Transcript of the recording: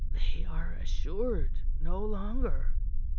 "They are assured no longer."